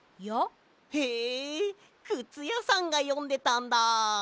へえくつやさんがよんでたんだ。